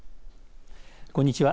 こんにちは。